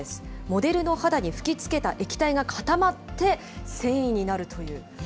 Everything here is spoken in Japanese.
モデルの肌に吹きつけた液体が固まって、繊維になるという。